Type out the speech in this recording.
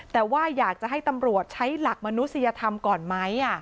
แต่ว่าอยากจะให้ตำรวจใช้หลักมนุษยธรรมก่อนไหม